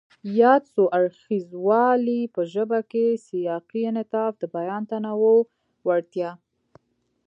ياد څو اړخیزوالی په ژبه کې سیاقي انعطاف، د بیان د تنوع وړتیا،